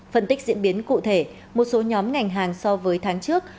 phân tích diễn biến cụ thể một số nhóm ngành hàng so với tháng trước